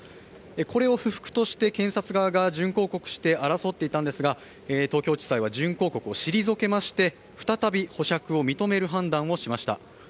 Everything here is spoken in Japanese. これを不服として検察側が準抗告して争っていたんですが東京地裁は準抗告を退けまして、再び、保釈を認める判断をしました。